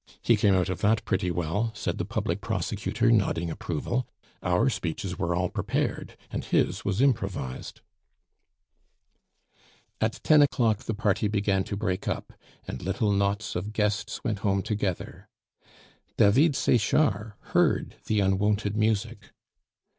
"He came out of that pretty well!" said the public prosecutor, nodding approval; "our speeches were all prepared, and his was improvised." At ten o'clock the party began to break up, and little knots of guests went home together. David Sechard heard the unwonted music.